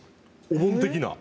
お盆的な。